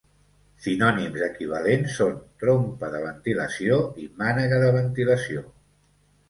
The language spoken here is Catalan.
Sinònims equivalents són: trompa de ventilació i mànega de ventilació.